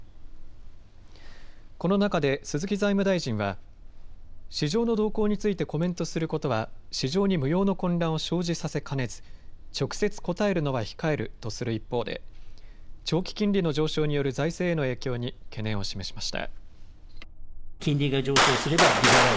この中で鈴木財務大臣は市場の動向についてコメントすることは市場に無用の混乱を生じさせかねず直接答えるのは控えるとする一方で長期金利の上昇による財政への影響に懸念を示しました。